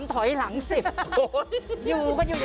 ทุกข้าทุกข้าทุกข้า